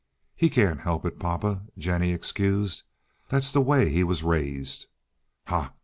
"He can't help it, papa," Jennie excused. "That's the way he was raised." "Ha!